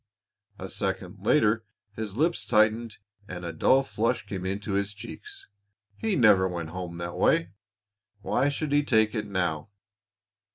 A second later his lips tightened and a dull flush came into his cheeks. He never went home that way, why should he take it now?